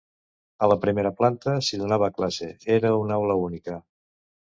A la primera planta s'hi donava classe, era una aula única.